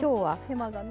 手間がね。